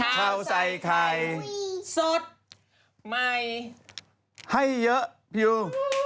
ข้าวใส่ไข่สดไมให้เยอะพี่ยู